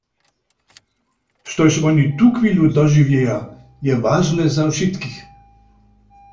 Štož woni tuchwilu dožiwjeja, je wažne za wšitkich.